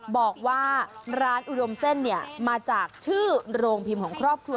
บอกว่าร้านอุดมเส้นเนี่ยมาจากชื่อโรงพิมพ์ของครอบครัว